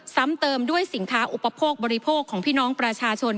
ซ้ำเติมด้วยสินค้าอุปโภคบริโภคของพี่น้องประชาชน